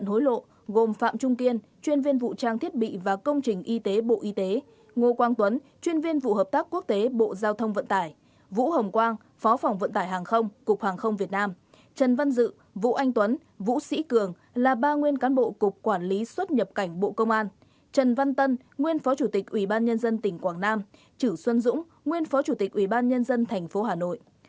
hối lộ gồm phạm trung kiên chuyên viên vụ trang thiết bị và công trình y tế bộ y tế ngô quang tuấn chuyên viên vụ hợp tác quốc tế bộ giao thông vận tải vũ hồng quang phó phòng vận tải hàng không cục hàng không việt nam trần văn dự vũ anh tuấn vũ sĩ cường là ba nguyên cán bộ cục quản lý xuất nhập cảnh bộ công an trần văn tân nguyên phó chủ tịch ủy ban nhân dân tỉnh quảng nam trữ xuân dũng nguyên phó chủ tịch ủy ban nhân dân thành phố hà nội